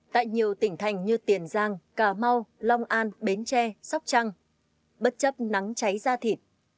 tại nhiều tỉnh thành như tiền giang cà mau long an bến tre sóc trăng bất chấp nắng cháy ra thịt